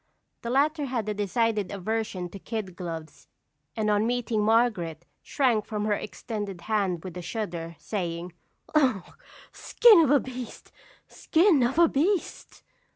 The latter had a decided aversion to kid gloves, and on meeting Margaret shrank from her extended hand with a shudder, saying: "Ugh! Skin of a beast! skin of a beast!"